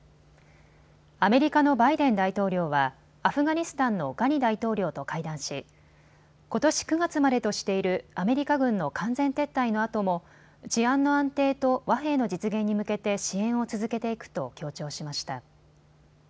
アメリカのバイデン大統領はアフガニスタンのガニ大統領と会談しことし９月までとしているアメリカ軍の完全撤退のあとも治安の安定と和平の実現に向けて支援を続けていくと強調しました。